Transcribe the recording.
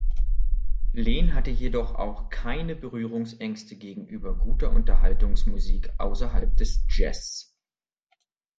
Lehn hatte jedoch auch keine Berührungsängste gegenüber guter Unterhaltungsmusik außerhalb des Jazz.